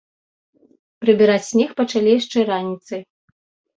Прыбіраць снег пачалі яшчэ раніцай.